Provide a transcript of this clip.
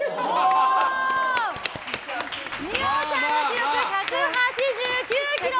二葉ちゃんの記録１８９ｋｇ！